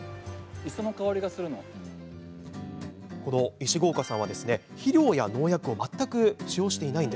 石郷岡さんは、肥料や農薬を全く使用していません。